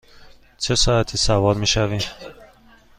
چه ساعتی سوار می شویم؟